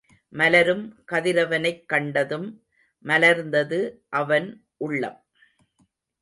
மலரும் கதிரவனைக் கண்டதும் மலர்ந்தது அவன் உள்ளம்.